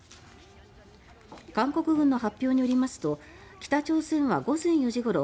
韓国軍の発表によりますと北朝鮮は午前４時ごろ